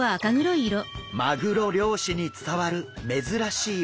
マグロ漁師に伝わる珍しい沖料理。